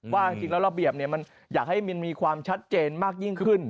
ว่าจริงแล้วระเบียบมันอยากให้มินมีความชัดเจนมากยิ่งขึ้น